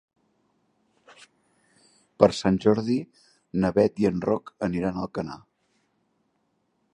Per Sant Jordi na Beth i en Roc aniran a Alcanar.